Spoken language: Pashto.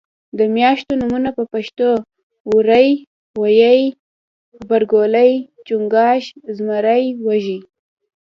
د میاشتو نومونه په پښتو کې وری غویي غبرګولی چنګاښ زمری وږی